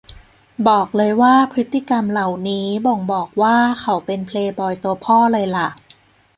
บอกเลยว่าพฤติกรรมเหล่านี้บ่งบอกว่าเขาเป็นเพลย์บอยตัวพ่อเลยล่ะ